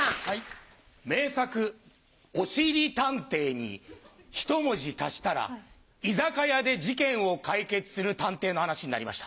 名作『おしりたんてい』にひと文字足したら居酒屋で事件を解決する探偵の話になりました。